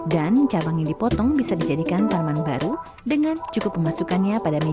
dan cabang yang dipotong bisa dijadikan tanaman baru dengan cukup pemasukannya pada tanaman